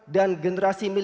dan generasi milik